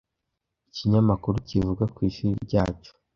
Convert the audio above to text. Ikinyamakuru kivuga ku ishuri ryacu.